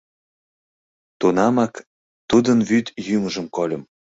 Тунамак тудын вӱд йӱмыжым кольым.